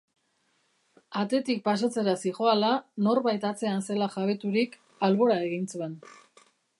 Atetik pasatzera zihoala, norbait atzean zela jabeturik, albora egin zuen.